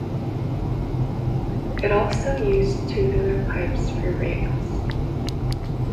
It also used tubular pipes for rails.